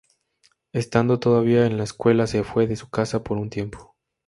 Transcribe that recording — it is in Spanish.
Estando todavía en la escuela, se fue de su casa por un tiempo.